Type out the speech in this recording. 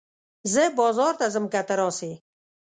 زه بازار ته ځم که ته راسې